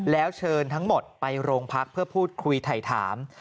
แล้วเชิญทั้งหมดไปโรงพักเพื่อพูดคุยถ่ายถาม